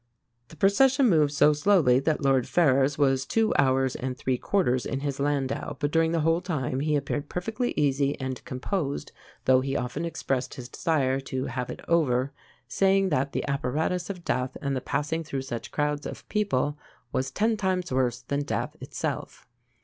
"The procession moved so slowly that Lord Ferrers was two hours and three quarters in his landau but during the whole time he appeared perfectly easy and composed, though he often expressed his desire to have it over, saying that the apparatus of death and the passing through such crowds of people was ten times worse than death itself.